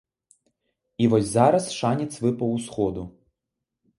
І вось зараз шанец выпаў усходу.